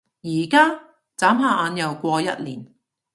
而家？眨下眼又過一年